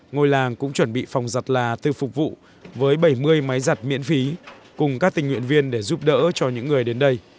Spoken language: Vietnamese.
ngôi làng cũng chuẩn bị phòng giặt là tự phục vụ với bảy mươi máy giặt miễn phí cùng các tình nguyện viên để giúp đỡ cho những người đến đây